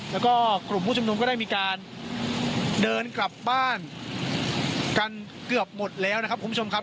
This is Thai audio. แล้วก็กลุ่มผู้ชุมนุมก็ได้มีการเดินกลับบ้านกันเกือบหมดแล้วนะครับคุณผู้ชมครับ